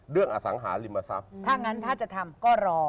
อสังหาริมทรัพย์ถ้างั้นถ้าจะทำก็รอ